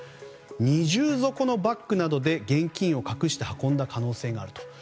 二重底のバッグなどで現金を隠して運んだ可能性があると。